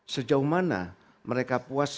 sejauh mana mereka puas